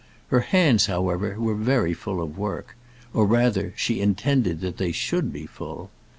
Her hands, however, were very full of work; or, rather, she intended that they should be full.